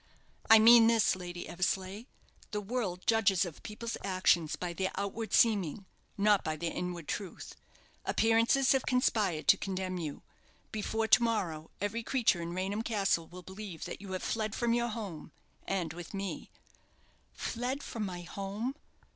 "I mean this, Lady Eversleigh the world judges of people's actions by their outward seeming, not by their inward truth. Appearances have conspired to condemn you. Before to morrow every creature in Raynham Castle will believe that you have fled from your home, and with me " "Fled from my home!"